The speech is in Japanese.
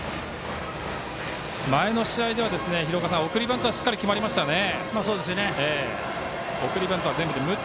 前の試合では、送りバントはしっかり決まりましたよね。